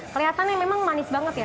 kelihatannya memang manis banget ya